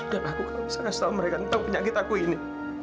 dan aku nggak bisa kasih tahu mereka tentang penyakit aku ini